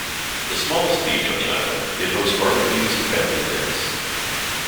The smallest beach on the island, it hosts barbecues and family events.